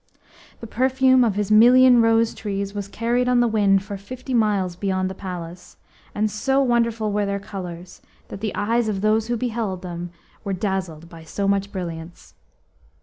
The perfume of his million rose trees was carried on the wind for fifty miles beyond the palace, and so wonderful were their colours that the eyes of those who beheld them were dazzled by so much brilliance.